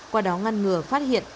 qua đó ngăn ngừa phát hiện